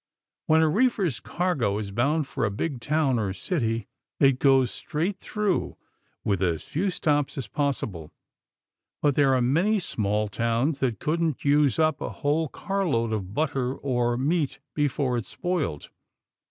When a reefer's cargo is bound for a big town or city, it goes straight through, with as few stops as possible. But there are many small towns that couldn't use up a whole carload of butter or meat before it spoiled.